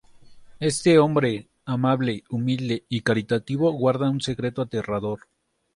Este hombre, amable, humilde y caritativo guarda un secreto aterrador.